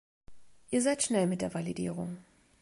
Ihr seid schnell mit der Validierung.